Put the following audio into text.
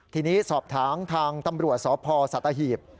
ทีนี้สอบถามทางตำรวจสพสัตหีบ